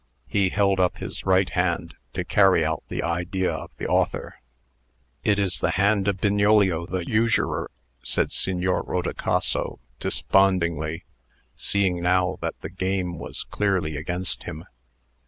He held up his right hand, to carry out the idea of the author. "It is the hand of Bignolio the usurer," said Signor Rodicaso, despondingly, seeing now that the game was clearly against him.